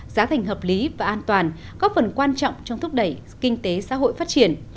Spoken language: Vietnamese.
giá thành hợp lý và an toàn góp phần quan trọng trong thúc đẩy kinh tế xã hội phát triển